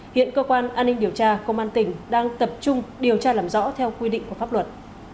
hiện cơ quan an ninh điều tra công an tỉnh đang tập trung điều tra làm rõ theo quy định của pháp luật